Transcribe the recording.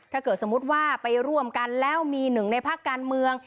ถ้าเกิดสมมติว่าไปร่วมกันแล้วมีหนึ่งในภักดิ์การเมือง